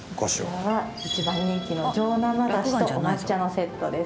こちらは一番人気の上生菓子とお抹茶のセットです。